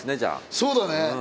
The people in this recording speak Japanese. そうだね。